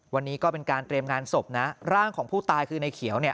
วันนี้ก็เป็นการเตรียมงานศพนะร่างของผู้ตายคือในเขียวเนี่ย